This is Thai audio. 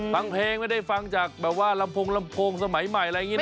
ฟังเพลงไม่ได้ฟังจากแบบว่าลำโพงลำโพงสมัยใหม่อะไรอย่างนี้นะ